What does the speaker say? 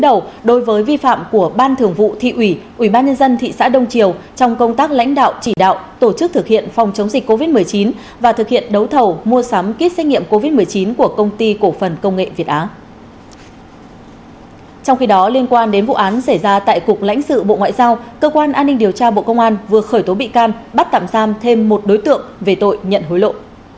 theo liên quan đến vụ án xảy ra tại cục lãnh sự bộ ngoại giao cơ quan an ninh điều tra bộ công an vừa khởi tố bị can bắt tạm giam thêm một đối tượng về tội nhận hối lộ